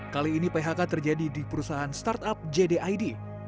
kali ini phk terjadi di perusahaan startup jdid